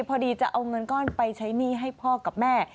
พอดีจะเอาเงินก้อนไปใช้หนี้ให้พ่อกับแม่